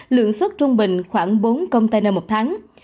lượng xuất trung bình khoảng bốn container một tháng